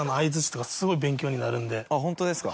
ホントですか。